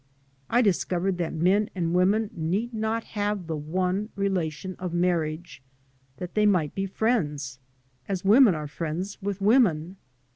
I dis covered that men and women need not have the one relation of marriage ; that they nught be friends, as women are friends with women.